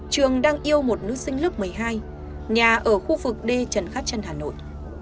trường đang yêu một nữ sinh lớp một mươi hai nhà ở khu vực d trần khát trân hà nội